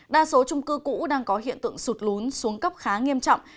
đa số trung cư cũ đang có hiện tượng sụt lún xuống cấp khá nghiêm trọng